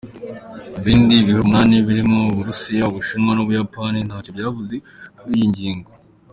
Ibindi bihugu umunani birimwo Uburusiya, Ubushinwa n'Ubuyapani ntaco vyavuze kuri iyo ngingo.